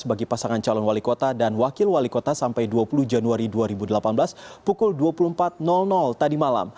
bagi pasangan calon wali kota dan wakil wali kota sampai dua puluh januari dua ribu delapan belas pukul dua puluh empat tadi malam